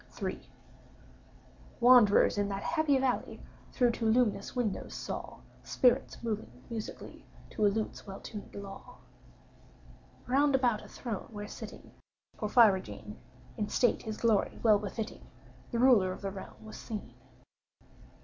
III. Wanderers in that happy valley Through two luminous windows saw Spirits moving musically To a lute's well tunéd law, Round about a throne, where sitting (Porphyrogene!) In state his glory well befitting, The ruler of the realm was seen.